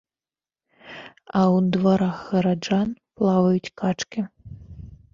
А ў дварах гараджан плаваюць качкі.